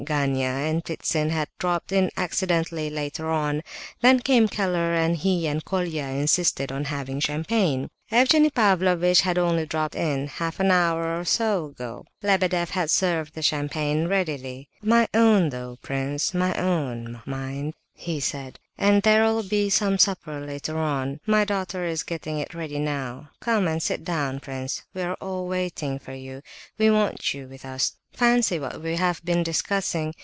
Gania and Ptitsin had dropped in accidentally later on; then came Keller, and he and Colia insisted on having champagne. Evgenie Pavlovitch had only dropped in half an hour or so ago. Lebedeff had served the champagne readily. "My own though, prince, my own, mind," he said, "and there'll be some supper later on; my daughter is getting it ready now. Come and sit down, prince, we are all waiting for you, we want you with us. Fancy what we have been discussing!